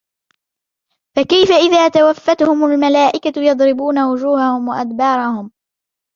فَكَيْفَ إِذَا تَوَفَّتْهُمُ الْمَلَائِكَةُ يَضْرِبُونَ وُجُوهَهُمْ وَأَدْبَارَهُمْ